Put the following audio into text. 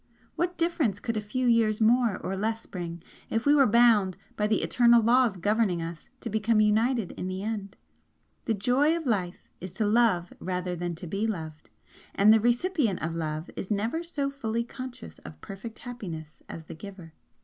What difference could a few years more or less bring, if we were bound, by the eternal laws governing us, to become united in the end? The joy of life is to love rather than to be loved, and the recipient of love is never so fully conscious of perfect happiness as the giver.